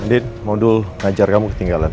dead modul ngajar kamu ketinggalan